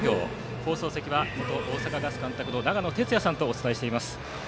放送席は元大阪ガス監督の長野哲也さんとお伝えをしています。